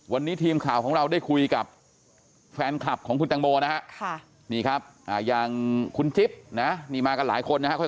วันนี้ทีมข่าวของเราได้คุยกับแฟนคลับของหุมวิบัติศาสตร์อย่างคุณจิบแล้วมีมากฯหลายคนแล้วค่อยไล่ไป